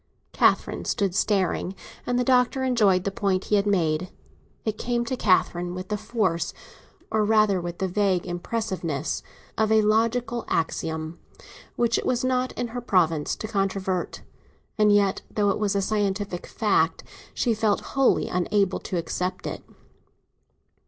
Catherine stood staring, and the Doctor enjoyed the point he had made. It came to Catherine with the force—or rather with the vague impressiveness—of a logical axiom which it was not in her province to controvert; and yet, though it was a scientific truth, she felt wholly unable to accept it.